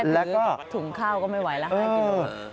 แค่ถือถุงข้าวก็ไม่ไหวแล้วให้กินเลย